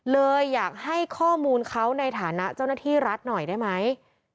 เลยอยากให้ข้อมูลเขาในฐานะเจ้าหน้าที่รัฐหน่อยได้ไหม